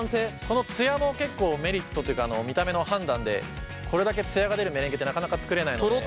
この艶も結構メリットとというか見た目の判断でこれだけ艶が出るメレンゲってなかなか作れないので。